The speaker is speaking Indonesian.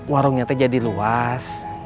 warungnya teh jadi luas